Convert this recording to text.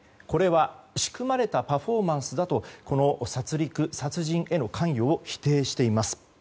これは仕組まれたパフォーマンスだとこの殺戮、殺人への関与を否定しています。